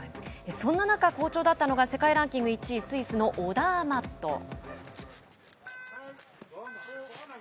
そんな中、好調だったのが世界ランキング１位スイスのオダーマット。